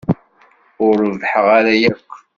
Ur rebbḥeɣ ara yakk.